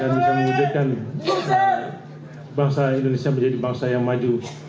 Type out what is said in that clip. dan bisa mengujudkan bangsa indonesia menjadi bangsa yang maju